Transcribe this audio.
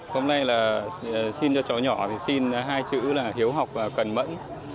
hôm nay là xin cho chó nhỏ thì xin hai chữ là hiếu học và cẩn mận